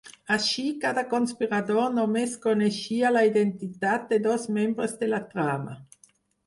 Així, cada conspirador només coneixia la identitat de dos membres de la trama.